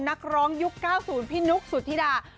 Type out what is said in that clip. นักร้องยุค๙๐พี่นุ๊กสุธิดา